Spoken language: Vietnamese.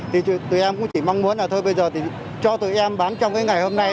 thì tụi em cũng chỉ mong muốn là thôi bây giờ thì cho tụi em bán trong cái ngày hôm nay